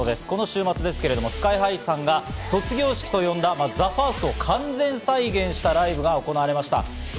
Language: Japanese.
この週末ですけれども、ＳＫＹ−ＨＩさんが卒業式と呼んだＴＨＥＦＩＲＳＴを完全再現したライブが行われました。